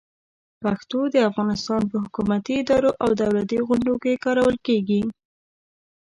پښتو د افغانستان په حکومتي ادارو او دولتي غونډو کې کارول کېږي.